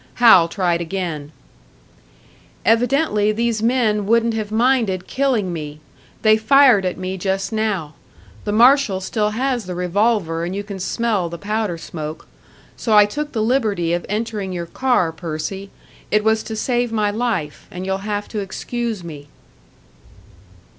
Hal tried again: "Evidently these men wouldn't have minded killing me; they fired at me just now. The marshal still has the revolver and you can smell the powder smoke. So I took the liberty of entering your car, Percy. It was to save my life, and you'll have to excuse me."